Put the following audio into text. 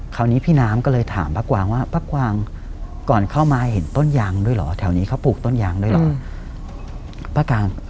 คราวนี้พี่น้ำก็เลยถามป้ากวางว่าป้ากวางก่อนเข้ามาเห็นต้นยางด้วยเหรอแถวนี้เขาปลูกต้นยางด้วยเหรอ